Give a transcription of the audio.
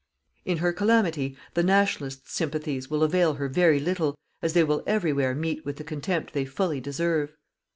In her calamity, the Nationalists' sympathies will avail her very little, as they will everywhere meet with the contempt they fully deserve.